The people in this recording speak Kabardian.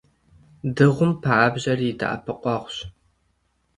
Дыгъум пабжьэр и дэӀэпыкъуэгъущ.